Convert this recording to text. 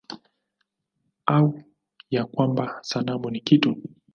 Au ya kwamba sanamu ni kitu?